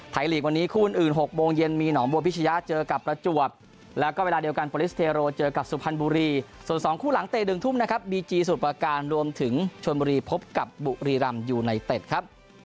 ลีกวันนี้คู่อื่น๖โมงเย็นมีหนองบัวพิชยะเจอกับประจวบแล้วก็เวลาเดียวกันโปรลิสเทโรเจอกับสุพรรณบุรีส่วน๒คู่หลังเตะ๑ทุ่มนะครับบีจีสมุทรประการรวมถึงชนบุรีพบกับบุรีรำยูไนเต็ดครับ